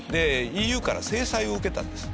でＥＵから制裁を受けたんです。